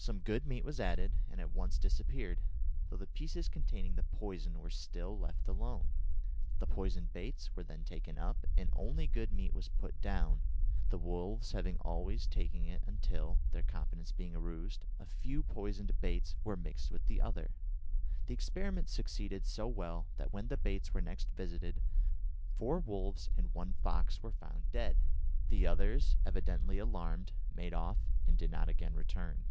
Some good meat was added, and at once disappeared, though the pieces containing poison were still left alone. The poisoned baits were then taken up, and only good meat put down, the wolves always taking it until, their confidence being aroused, a few poisoned baits were mixed with the other. The experiment succeeded so well that when the baits were next visited four wolves and one fox were found dead. The others, evidently alarmed, made off and did not again return.